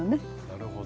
なるほど。